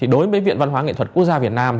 đối với viện văn hóa nghệ thuật quốc gia việt nam